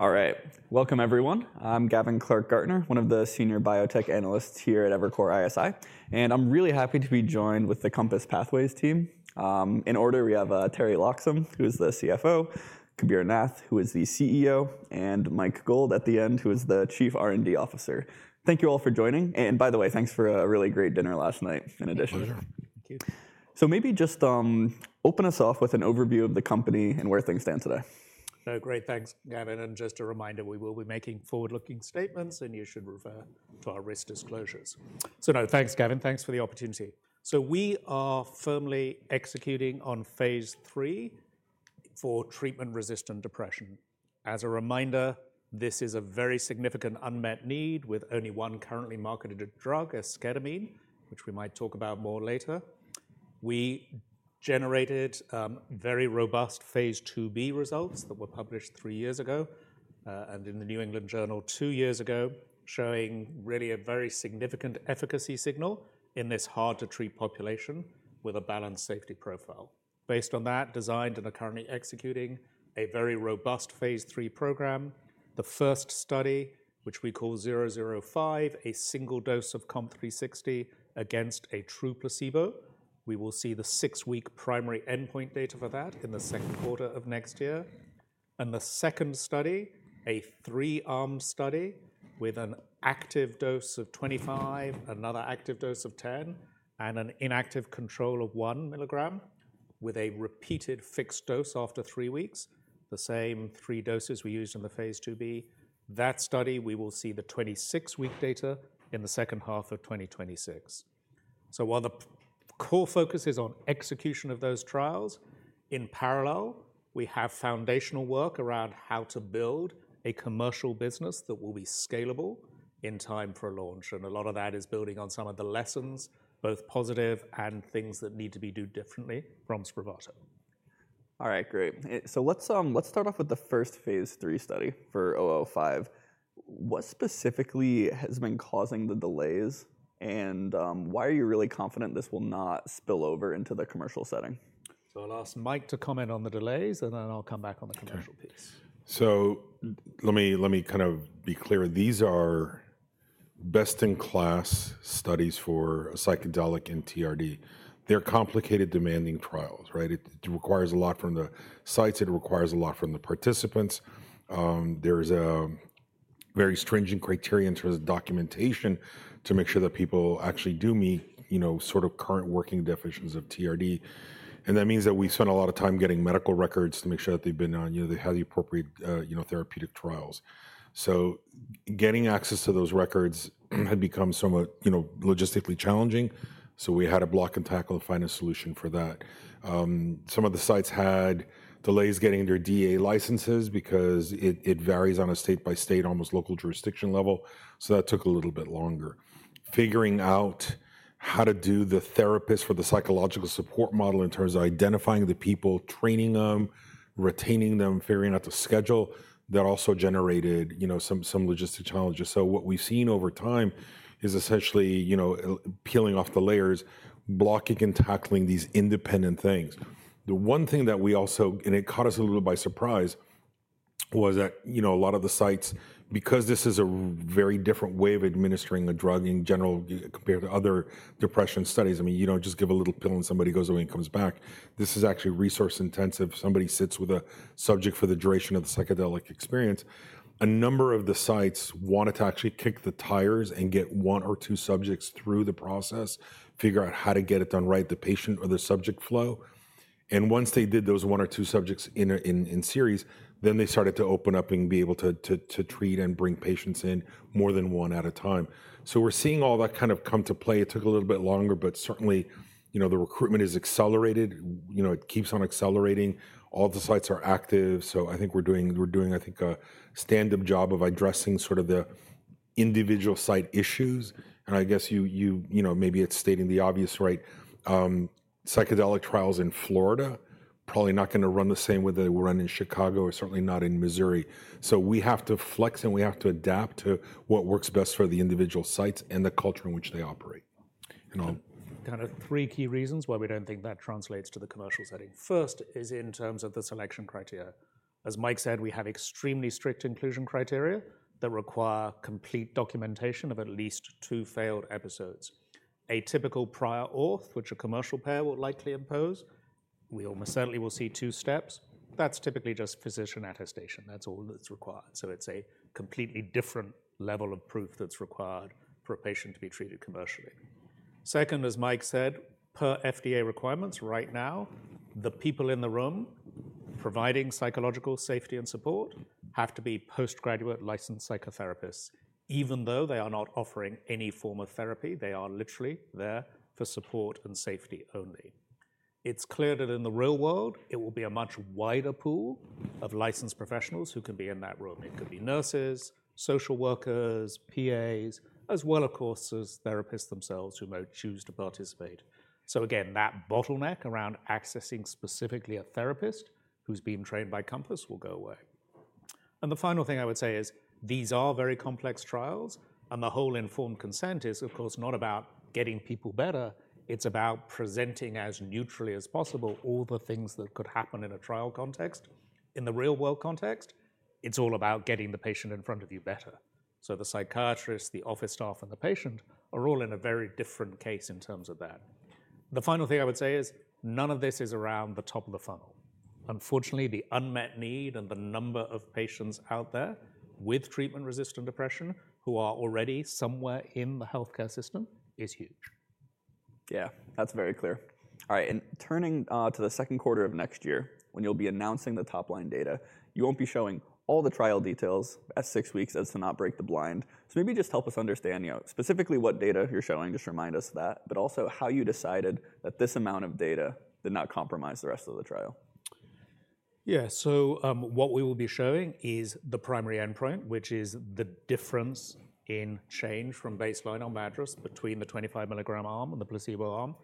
All right. Welcome, everyone. I'm Gavin Clark-Gartner, one of the senior biotech analysts here at Evercore ISI, and I'm really happy to be joined with the COMPASS Pathways team. In order, we have Teri Loxam, who is the CFO, Kabir Nath, who is the CEO, and Mike Gold at the end, who is the Chief R&D Officer. Thank you all for joining, and by the way, thanks for a really great dinner last night in addition. Pleasure. So maybe just open us off with an overview of the company and where things stand today. So great. Thanks, Gavin. And just a reminder, we will be making forward-looking statements, and you should refer to our risk disclosures. So no, thanks, Gavin. Thanks for the opportunity. So we are firmly executing on phase III for treatment-resistant depression. As a reminder, this is a very significant unmet need with only one currently marketed drug, esketamine, which we might talk about more later. We generated very robust phase IIb results that were published three years ago and in the New England Journal two years ago, showing really a very significant efficacy signal in this hard-to-treat population with a balanced safety profile. Based on that, designed and are currently executing a very robust phase III program. The first study, which we call 005, a single dose of COMP360 against a true placebo. We will see the six-week primary endpoint data for that in the second quarter of next year. And the second study, a three-armed study with an active dose of 25, another active dose of 10, and an inactive control of one milligram with a repeated fixed dose after three weeks, the same three doses we used in the phase IIb. That study, we will see the 26-week data in the second half of 2026. So while the core focus is on execution of those trials, in parallel, we have foundational work around how to build a commercial business that will be scalable in time for launch. And a lot of that is building on some of the lessons, both positive and things that need to be done differently from Spravato. All right, great. Let's start off with the first phase III study for 005. What specifically has been causing the delays, and why are you really confident this will not spill over into the commercial setting? So I'll ask Mike to comment on the delays, and then I'll come back on the commercial piece. So let me kind of be clear. These are best-in-class studies for psychedelic and TRD. They're complicated, demanding trials, right? It requires a lot from the sites. It requires a lot from the participants. There is a very stringent criteria in terms of documentation to make sure that people actually do meet sort of current working definitions of TRD. And that means that we spend a lot of time getting medical records to make sure that they've been on, they had the appropriate therapeutic trials. So getting access to those records had become somewhat logistically challenging. So we had to block and tackle to find a solution for that. Some of the sites had delays getting their DEA licenses because it varies on a state-by-state, almost local jurisdiction level. So that took a little bit longer. Figuring out how to do the therapist for the psychological support model in terms of identifying the people, training them, retaining them, figuring out the schedule, that also generated some logistical challenges. So what we've seen over time is essentially peeling off the layers, blocking and tackling these independent things. The one thing that we also, and it caught us a little bit by surprise, was that a lot of the sites, because this is a very different way of administering a drug in general compared to other depression studies, I mean, you don't just give a little pill and somebody goes away and comes back. This is actually resource-intensive. Somebody sits with a subject for the duration of the psychedelic experience. A number of the sites wanted to actually kick the tires and get one or two subjects through the process, figure out how to get it done right, the patient or the subject flow. And once they did those one or two subjects in series, then they started to open up and be able to treat and bring patients in more than one at a time. So we're seeing all that kind of come to play. It took a little bit longer, but certainly the recruitment is accelerated. It keeps on accelerating. All the sites are active. So I think we're doing a stand-up job of addressing sort of the individual site issues. And I guess maybe it's stating the obvious, right? Psychedelic trials in Florida are probably not going to run the same way they will run in Chicago, certainly not in Missouri. So we have to flex and we have to adapt to what works best for the individual sites and the culture in which they operate. Kind of three key reasons why we don't think that translates to the commercial setting. First is in terms of the selection criteria. As Mike said, we have extremely strict inclusion criteria that require complete documentation of at least two failed episodes. A typical prior auth, which a commercial payer will likely impose, we almost certainly will see two steps. That's typically just physician attestation. That's all that's required. So it's a completely different level of proof that's required for a patient to be treated commercially. Second, as Mike said, per FDA requirements right now, the people in the room providing psychological safety and support have to be postgraduate licensed psychotherapists, even though they are not offering any form of therapy. They are literally there for support and safety only. It's clear that in the real world, it will be a much wider pool of licensed professionals who can be in that room. It could be nurses, social workers, PAs, as well, of course, as therapists themselves who might choose to participate. So again, that bottleneck around accessing specifically a therapist who's been trained by COMPASS will go away. And the final thing I would say is these are very complex trials. And the whole informed consent is, of course, not about getting people better. It's about presenting as neutrally as possible all the things that could happen in a trial context. In the real-world context, it's all about getting the patient in front of you better. So the psychiatrist, the office staff, and the patient are all in a very different case in terms of that. The final thing I would say is none of this is around the top of the funnel. Unfortunately, the unmet need and the number of patients out there with treatment-resistant depression who are already somewhere in the healthcare system is huge. Yeah, that's very clear. All right, and turning to the second quarter of next year, when you'll be announcing the top-line data, you won't be showing all the trial details at six weeks as to not break the blind. So maybe just help us understand specifically what data you're showing. Just remind us of that, but also how you decided that this amount of data did not compromise the rest of the trial. Yeah. So what we will be showing is the primary endpoint, which is the difference in change from baseline on MADRS between the 25 mg arm and the placebo arm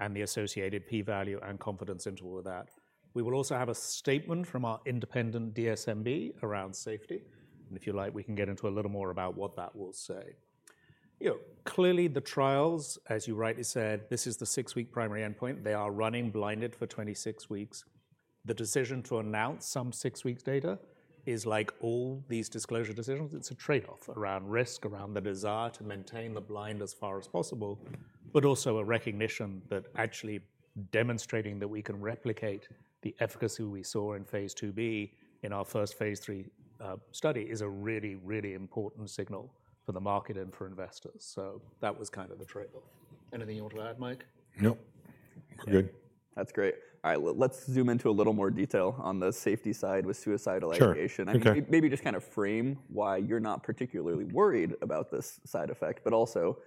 and the associated p-value and confidence interval with that. We will also have a statement from our independent DSMB around safety. And if you like, we can get into a little more about what that will say. Clearly, the trials, as you rightly said, this is the six-week primary endpoint. They are running blinded for 26 weeks. The decision to announce some six-week data is like all these disclosure decisions. It's a trade-off around risk, around the desire to maintain the blind as far as possible, but also a recognition that actually demonstrating that we can replicate the efficacy we saw in phase IIb in our first phase III study is a really, really important signal for the market and for investors. So that was kind of the trade-off. Anything you want to add, Mike? Nope. Good. That's great. All right. Let's zoom into a little more detail on the safety side with suicidal ideation. Maybe just kind of frame why you're not particularly worried about this side effect, but also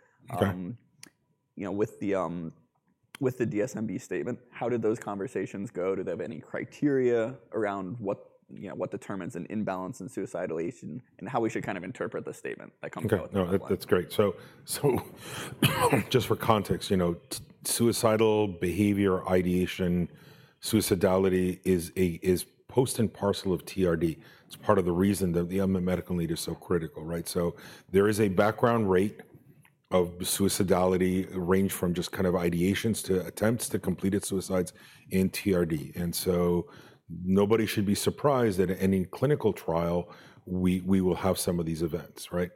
with the DSMB statement, how did those conversations go? Do they have any criteria around what determines an imbalance in suicidal ideation and how we should kind of interpret the statement that comes out? No, that's great. So just for context, suicidal behavior, ideation, suicidality is part and parcel of TRD. It's part of the reason that the unmet medical need is so critical, right? So there is a background rate of suicidality ranging from just kind of ideations to attempts to completed suicides in TRD. And so nobody should be surprised that in any clinical trial, we will have some of these events, right?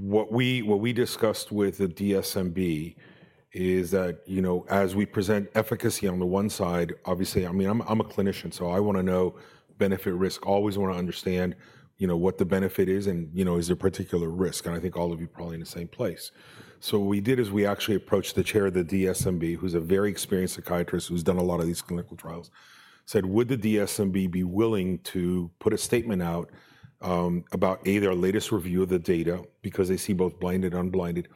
What we discussed with the DSMB is that as we present efficacy on the one side, obviously, I mean, I'm a clinician, so I want to know benefit-risk. Always want to understand what the benefit is and is there a particular risk. And I think all of you are probably in the same place. What we did is we actually approached the chair of the DSMB, who's a very experienced psychiatrist who's done a lot of these clinical trials, said, "Would the DSMB be willing to put a statement out about either our latest review of the data because they see both blinded and unblinded?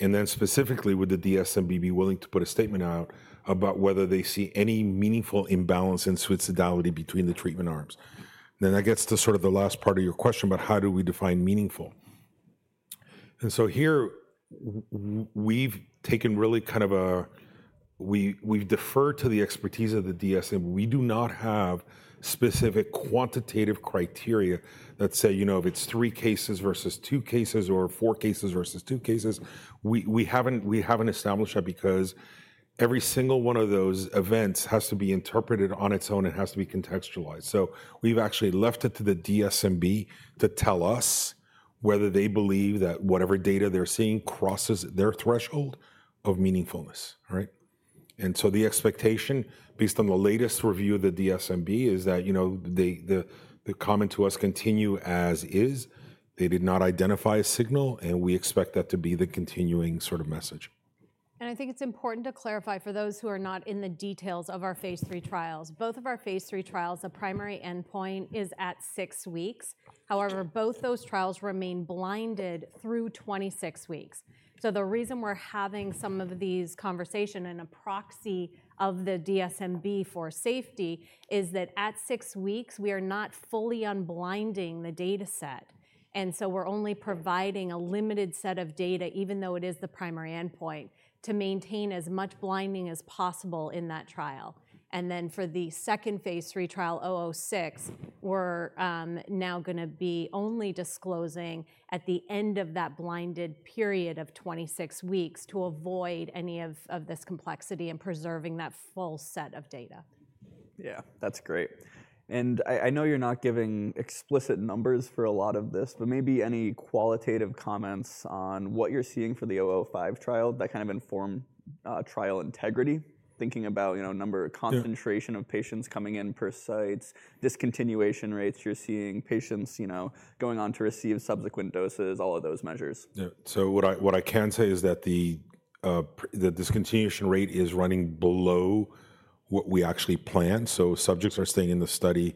And then specifically, would the DSMB be willing to put a statement out about whether they see any meaningful imbalance in suicidality between the treatment arms?" That gets to sort of the last part of your question about how do we define meaningful. Here, we've taken really kind of, we've deferred to the expertise of the DSMB. We do not have specific quantitative criteria that say if it's three cases versus two cases or four cases versus two cases. We haven't established that because every single one of those events has to be interpreted on its own. It has to be contextualized. So we've actually left it to the DSMB to tell us whether they believe that whatever data they're seeing crosses their threshold of meaningfulness, right? And so the expectation based on the latest review of the DSMB is that the comment to us continues as is. They did not identify a signal, and we expect that to be the continuing sort of message. I think it's important to clarify for those who are not in the details of our phase III trials. Both of our phase III trials, the primary endpoint is at six weeks. However, both those trials remain blinded through 26 weeks. The reason we're having some of these conversations and a proxy of the DSMB for safety is that at six weeks, we are not fully unblinding the data set. We're only providing a limited set of data, even though it is the primary endpoint, to maintain as much blinding as possible in that trial. For the second phase III trial, 006, we're now going to be only disclosing at the end of that blinded period of 26 weeks to avoid any of this complexity and preserving that full set of data. Yeah, that's great. And I know you're not giving explicit numbers for a lot of this, but maybe any qualitative comments on what you're seeing for the 005 trial that kind of inform trial integrity, thinking about number, concentration of patients coming in per sites, discontinuation rates you're seeing, patients going on to receive subsequent doses, all of those measures? So what I can say is that the discontinuation rate is running below what we actually planned. So subjects are staying in the study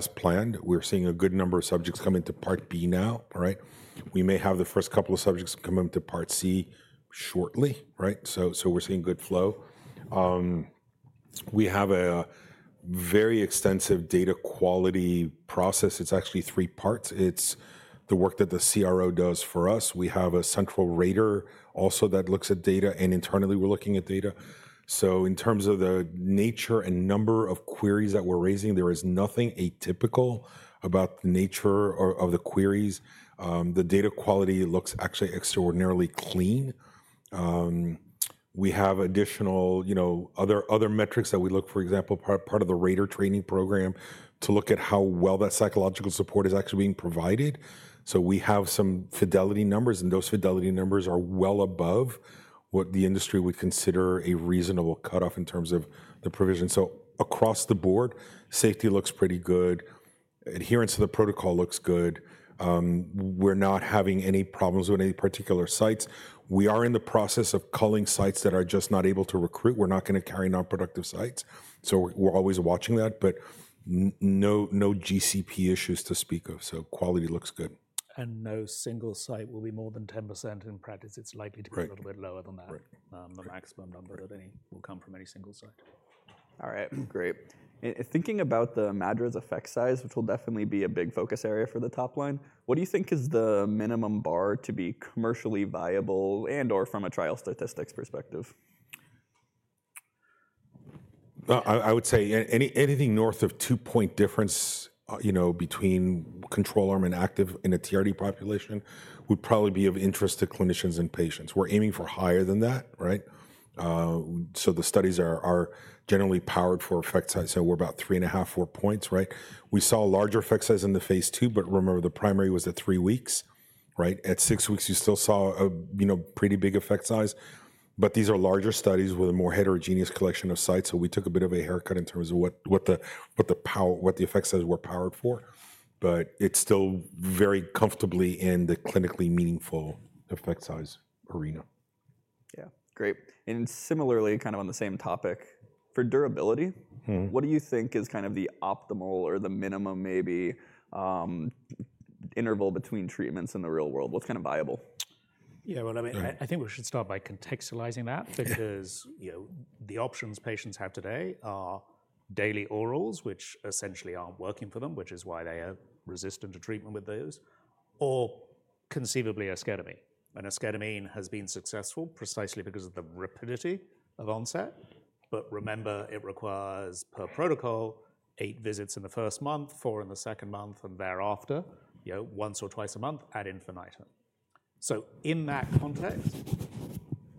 as planned. We're seeing a good number of subjects come into part B now, right? We may have the first couple of subjects come into part C shortly, right? So we're seeing good flow. We have a very extensive data quality process. It's actually three parts. It's the work that the CRO does for us. We have a central rater also that looks at data, and internally, we're looking at data. So in terms of the nature and number of queries that we're raising, there is nothing atypical about the nature of the queries. The data quality looks actually extraordinarily clean. We have additional other metrics that we look, for example, part of the rater training program to look at how well that psychological support is actually being provided, so we have some fidelity numbers, and those fidelity numbers are well above what the industry would consider a reasonable cutoff in terms of the provision, so across the board, safety looks pretty good. Adherence to the protocol looks good. We're not having any problems with any particular sites. We are in the process of culling sites that are just not able to recruit. We're not going to carry nonproductive sites, so we're always watching that, but no GCP issues to speak of, so quality looks good. No single site will be more than 10% in practice. It's likely to be a little bit lower than that, the maximum number that will come from any single site. All right. Great. And thinking about the MADRS effect size, which will definitely be a big focus area for the top line, what do you think is the minimum bar to be commercially viable and/or from a trial statistics perspective? I would say anything north of two-point difference between control arm and active in a TRD population would probably be of interest to clinicians and patients. We're aiming for higher than that, right? So the studies are generally powered for effect size. So we're about three and a half, four points, right? We saw larger effect size in the phase II, but remember the primary was at three weeks, right? At six weeks, you still saw a pretty big effect size. But these are larger studies with a more heterogeneous collection of sites. So we took a bit of a haircut in terms of what the effect size were powered for. But it's still very comfortably in the clinically meaningful effect size arena. Yeah. Great, and similarly, kind of on the same topic, for durability, what do you think is kind of the optimal or the minimum maybe interval between treatments in the real world? What's kind of viable? Yeah. Well, I mean, I think we should start by contextualizing that because the options patients have today are daily orals, which essentially aren't working for them, which is why they are resistant to treatment with those, or conceivably esketamine. And esketamine has been successful precisely because of the rapidity of onset. But remember, it requires, per protocol, eight visits in the first month, four in the second month, and thereafter once or twice a month ad infinitum. So in that context,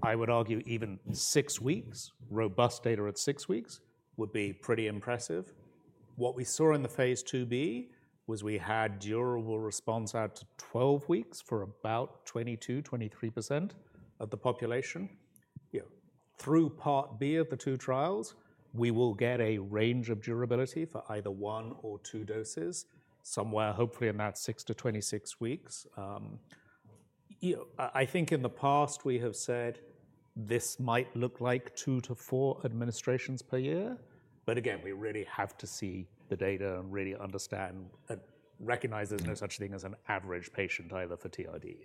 I would argue even six weeks, robust data at six weeks would be pretty impressive. What we saw in the phase IIb was we had durable response out to 12 weeks for about 22%-23% of the population. Through part B of the two trials, we will get a range of durability for either one or two doses somewhere, hopefully in that 6 to 26 weeks. I think in the past, we have said this might look like two to four administrations per year. But again, we really have to see the data and really understand and recognize there's no such thing as an average patient either for TRD.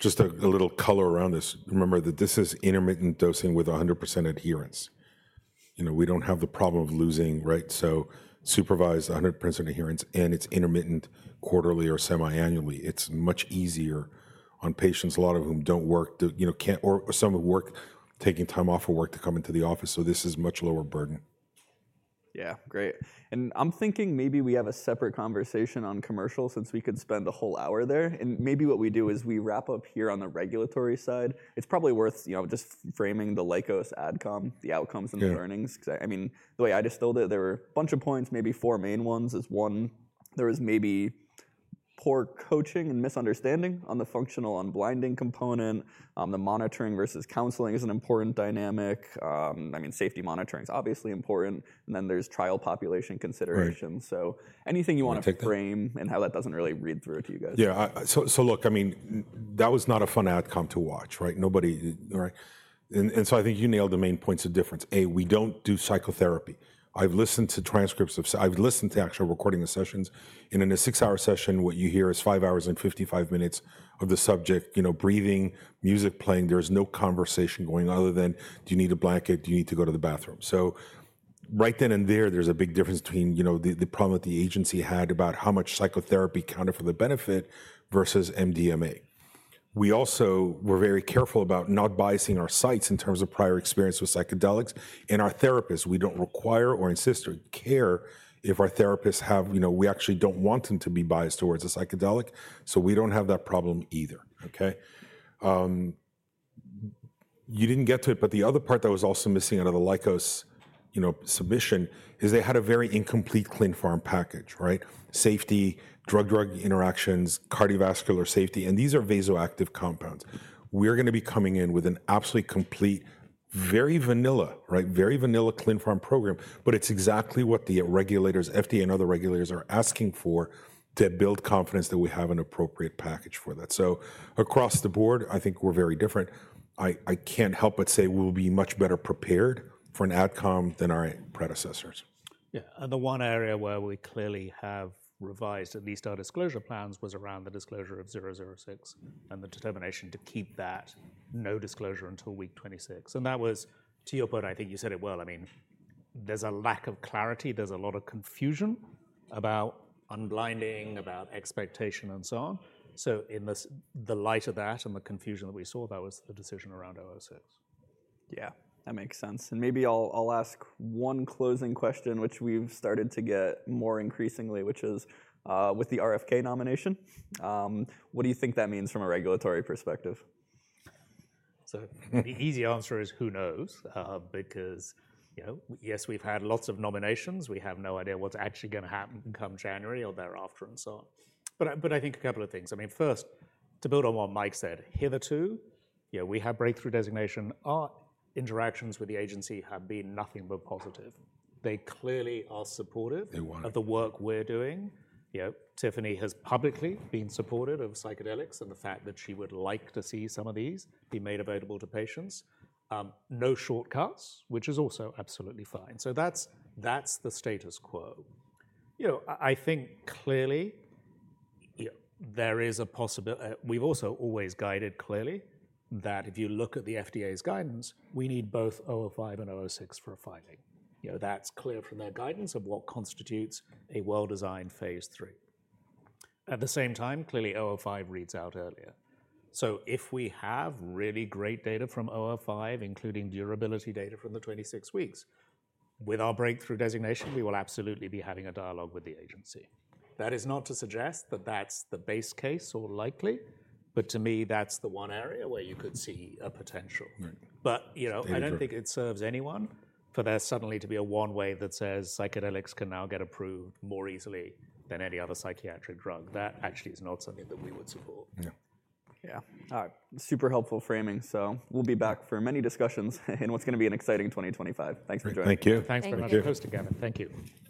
Just a little color around this. Remember that this is intermittent dosing with 100% adherence. We don't have the problem of losing, right? So supervised 100% adherence, and it's intermittent quarterly or semi-annually. It's much easier on patients, a lot of whom don't work or some who work taking time off of work to come into the office. So this is much lower burden. Yeah. Great. And I'm thinking maybe we have a separate conversation on commercial since we could spend a whole hour there. And maybe what we do is we wrap up here on the regulatory side. It's probably worth just framing the Lykos AdCom, the outcomes and the learnings. I mean, the way I distilled it, there were a bunch of points, maybe four main ones as one. There was maybe poor coaching and misunderstanding on the functional unblinding component. The monitoring versus counseling is an important dynamic. I mean, safety monitoring is obviously important. And then there's trial population consideration. So anything you want to frame and how that doesn't really read through to you guys. Yeah. So look, I mean, that was not a fun AdCom to watch, right? And so I think you nailed the main points of difference. A, we don't do psychotherapy. I've listened to transcripts of actual recording of sessions. And in a six-hour session, what you hear is five hours and 55 minutes of the subject breathing, music playing. There is no conversation going on other than, "Do you need a blanket? Do you need to go to the bathroom?" So right then and there, there's a big difference between the problem that the agency had about how much psychotherapy counted for the benefit versus MDMA. We also were very careful about not biasing our sites in terms of prior experience with psychedelics. Our therapists, we don't require or insist or care if our therapists have. We actually don't want them to be biased towards a psychedelic. So we don't have that problem either, okay? You didn't get to it, but the other part that was also missing out of the Lykos submission is they had a very incomplete ClinPharm package, right? Safety, drug-drug interactions, cardiovascular safety. And these are vasoactive compounds. We're going to be coming in with an absolutely complete, very vanilla, right? Very vanilla ClinPharm program, but it's exactly what the regulators, FDA and other regulators are asking for to build confidence that we have an appropriate package for that. So across the board, I think we're very different. I can't help but say we'll be much better prepared for an AdCom than our predecessors. Yeah. And the one area where we clearly have revised at least our disclosure plans was around the disclosure of 006 and the determination to keep that no disclosure until week 26. And that was to your point. I think you said it well. I mean, there's a lack of clarity. There's a lot of confusion about unblinding, about expectation, and so on. So in the light of that and the confusion that we saw, that was the decision around 006. Yeah. That makes sense. And maybe I'll ask one closing question, which we've started to get more increasingly, which is with the RFK nomination. What do you think that means from a regulatory perspective? So the easy answer is who knows because, yes, we've had lots of nominations. We have no idea what's actually going to happen come January or thereafter and so on. But I think a couple of things. I mean, first, to build on what Mike said, hitherto, we have breakthrough designation. Our interactions with the agency have been nothing but positive. They clearly are supportive of the work we're doing. Tiffany has publicly been supportive of psychedelics and the fact that she would like to see some of these be made available to patients. No shortcuts, which is also absolutely fine. So that's the status quo. I think clearly there is a possibility we've also always guided clearly that if you look at the FDA's guidance, we need both COMP005 and COMP006 for filing. That's clear from their guidance of what constitutes a well-designed phase III. At the same time, clearly COMP005 reads out earlier. So if we have really great data from COMP005, including durability data from the 26 weeks, with our breakthrough designation, we will absolutely be having a dialogue with the agency. That is not to suggest that that's the base case or likely, but to me, that's the one area where you could see a potential. But I don't think it serves anyone for there suddenly to be a one way that says psychedelics can now get approved more easily than any other psychiatric drug. That actually is not something that we would support. Yeah. All right. Super helpful framing. So we'll be back for many discussions in what's going to be an exciting 2025. Thanks for joining us. Thank you. Thanks very much for hosting, Gavin. Thank you.